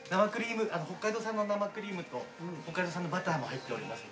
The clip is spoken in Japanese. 北海道産の生クリームと北海道産のバターも入っておりますので。